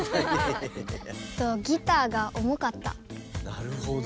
なるほど。